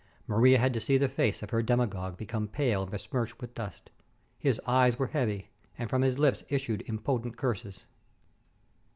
Maria had to see the face of her demigod become pale and besmirched with dust. His eyes were heavy, and from his lips issued impotent curses.